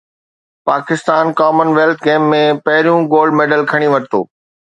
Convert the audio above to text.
Pakistan commonwealth games ۾ پهريون gold medal کٽي ورتو